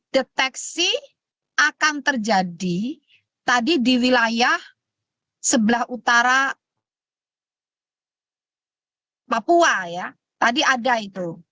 deteksi akan terjadi tadi di wilayah sebelah utara papua ya tadi ada itu